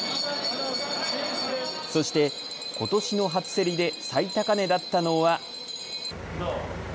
そして、ことしの初競りで最高値だったのは。